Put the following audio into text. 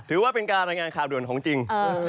ถือว่าเป็นการรายงานข่าวด่วนของจริง